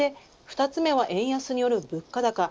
２つ目は円安による物価高。